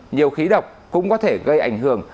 nhiều khí độc cũng có thể gây ảnh hưởng